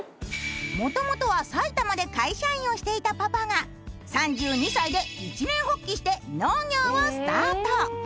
もともとは埼玉で会社員をしていたパパが３２歳で一念発起して農業をスタート。